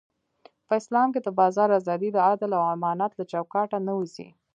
په اسلام کې د بازار ازادي د عدل او امانت له چوکاټه نه وځي.